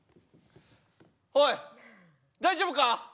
「おい大丈夫か？」。